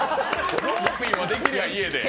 ローピンはできれば家で。